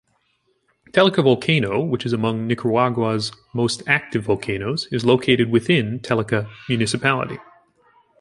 Telica volcano, which is among Nicaragua's most active volcanoes, is located within Telica municipality.